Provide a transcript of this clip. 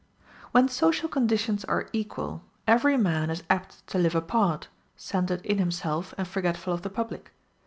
When social conditions are equal, every man is apt to live apart, centred in himself and forgetful of the public.